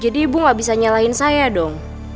jadi ibu gak bisa nyalahin saya dong